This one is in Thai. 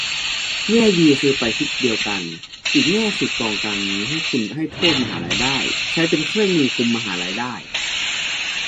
แง่ดีคือไปทิศเดียวกัน อีกแง่คือกองกลางนี้ให้คุณให้โทษมหาลัยได้ ใช้เป็นเครื่องมือคุมมหาลัยได้